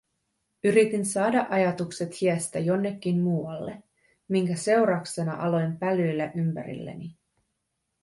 Yritin saada ajatukset hiestä jonnekin muualle, minkä seurauksena aloin pälyillä ympärilleni.